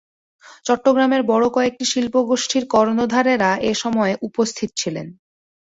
চট্টগ্রামের বড় কয়েকটি শিল্পগোষ্ঠীর কর্ণধারেরা এ সময় উপস্থিত ছিলেন।